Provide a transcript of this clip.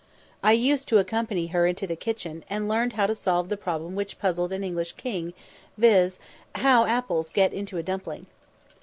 I used to accompany her into the kitchen, and learned how to solve the problem which puzzled an English king, viz. "How apples get into a dumpling."